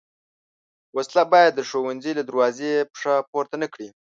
وسله باید د ښوونځي له دروازې پښه پورته نه کړي